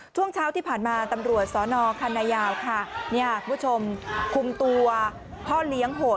ช่วงเช้าที่ผ่านมาตำรวจสนคันนายาวคุมตัวพ่อเลี้ยงโหด